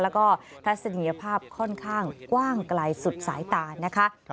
แล้วก็ทัศนียภาพค่อนข้างกว้างไกลสุดสายตานะคะ